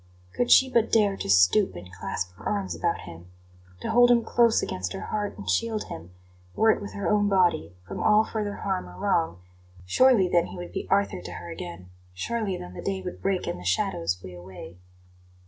Could she but dare to stoop and clasp her arms about him, to hold him close against her heart and shield him, were it with her own body, from all further harm or wrong; surely then he would be Arthur to her again; surely then the day would break and the shadows flee away.